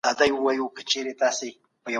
خپل اخلاق به د خلګو لپاره بیلګه جوړوئ.